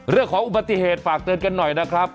เรื่องของอุบัติเหตุฝากเตือนกันหน่อยนะครับ